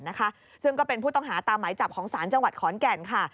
จังหวัดขอนแก่นนะคะซึ่งก็เป็นผู้ต้องหาตามหมายจับของศาลจังหวัดขอนแก่นค่ะ